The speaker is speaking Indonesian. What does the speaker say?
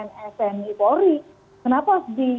kenapa di dalam tanda kutip diskriminasi dong kalau kayak gitu